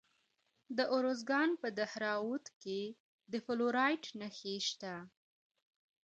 د ارزګان په دهراوود کې د فلورایټ نښې شته.